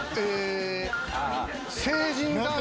成人男性。